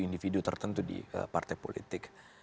individu tertentu di partai politik